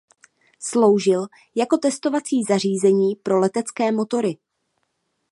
Sloužil jako testovací zařízení pro letecké motory.